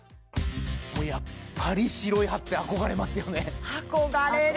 やっぱり白い歯って憧れますよね憧れる！